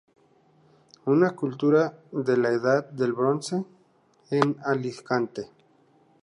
Una Cultura de la Edad del Bronce en Alicante".